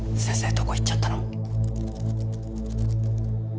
どこ行っちゃったの？